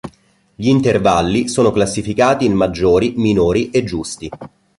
Gli intervalli sono classificati in maggiori, minori e giusti.